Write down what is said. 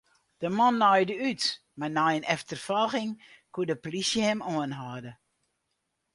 De man naaide út, mar nei in efterfolging koe de plysje him oanhâlde.